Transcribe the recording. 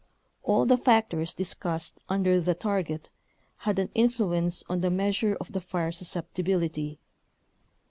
All the factors discussed under "The Target" had an influence on the measure of the fire suscepti bility.